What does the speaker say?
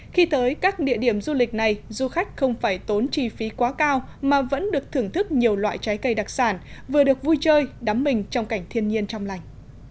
khi tới các địa điểm du lịch này du khách không phải tốn chi phí quá cao mà vẫn được thưởng thức nhiều loại trái cây đặc sản vừa được vui chơi đắm mình trong cảnh thiên nhiên trong lành